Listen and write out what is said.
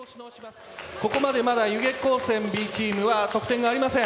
ここまでまだ弓削高専Ｂチームは得点がありません。